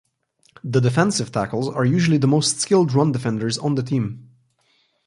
The defensive tackles are usually the most skilled run defenders on the team.